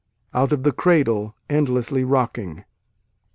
. (Out of the Cradle Endlessly Rocking.)